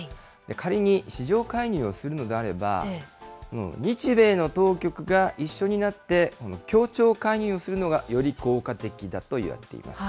仮に市場介入をするのであれば、日米の当局が一緒になって、協調介入するのがより効果的だといわれています。